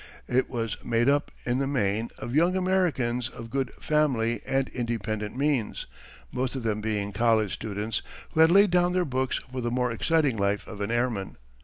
It was made up, in the main, of young Americans of good family and independent means, most of them being college students who had laid down their books for the more exciting life of an airman.